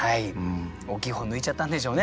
大きい方抜いちゃったんでしょうね。